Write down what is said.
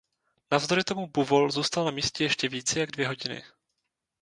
Navzdory tomu buvol zůstal na místě ještě více jak dvě hodiny.